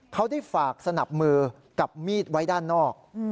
เขาได้ฝากสนับมือกับมีดไว้ด้านนอก